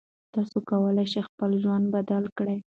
تاسو کولی شئ خپل ژوند بدل کړئ.